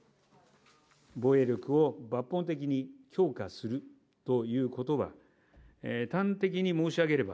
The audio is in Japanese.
防衛力を抜本的に強化するということは、端的に申し上げれば、